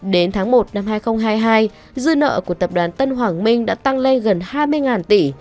đến tháng một năm hai nghìn hai mươi hai dư nợ của tập đoàn tân hoàng minh đã tăng lên gần hai mươi tỷ